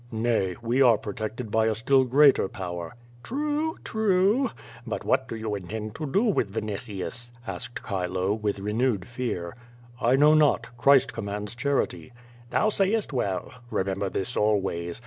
"Nay, we are protected by a still greater power." "True, true. ]5ut what do you intend to do with Vini tius?" asked Chilo, with renewed fear. "I know not; Christ commands charity." "Thou sayest well. Remember this always.